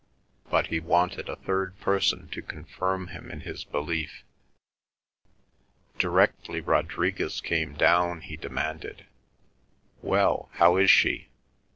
But he wanted a third person to confirm him in his belief. Directly Rodriguez came down he demanded, "Well, how is she?